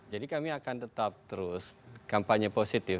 jadi kami akan tetap terus kampanye positif